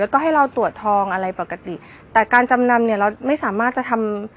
แล้วก็ให้เราตรวจทองอะไรปกติแต่การจำนำเนี่ยเราไม่สามารถจะทำ